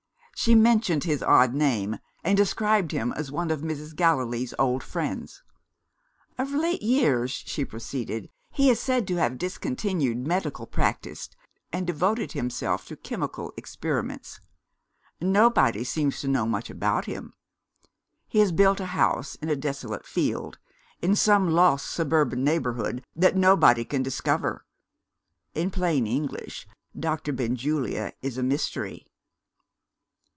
She mentioned his odd name, and described him as one of Mrs. Gallilee's old friends. "Of late years," she proceeded, "he is said to have discontinued medical practice, and devoted himself to chemical experiments. Nobody seems to know much about him. He has built a house in a desolate field in some lost suburban neighbourhood that nobody can discover. In plain English, Dr. Benjulia is a mystery."